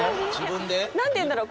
何て言うんだろう。